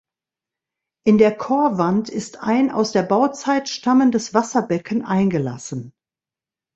In der Chorwand ist ein aus der Bauzeit stammendes Wasserbecken eingelassen.